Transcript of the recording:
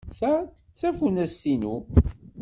Ta d tafunast-inu.